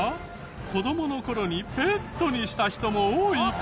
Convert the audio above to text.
子どもの頃にペットにした人も多いかも？